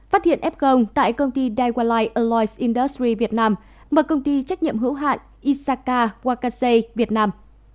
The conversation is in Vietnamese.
phát hiện ép gông tại công ty daiwa light alloys industry việt nam và công ty trách nhiệm hữu hạn isaka wakase việt nam